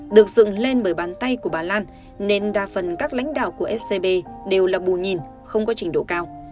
được dựng lên bởi bàn tay của bà lan nên đa phần các lãnh đạo của scb đều là bù nhìn không có trình độ cao